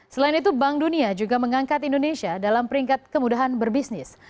selain itu bank dunia juga mengangkat indonesia dalam peringkat kemudahan berbisnis